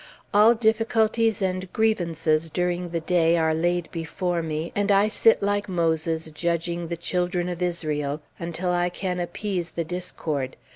All difficulties and grievances during the day are laid before me, and I sit like Moses judging the children of Israel, until I can appease the discord.